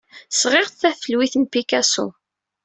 Sɣiɣ-d tafelwit n Picasso.